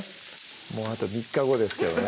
もうあと３日後ですけどね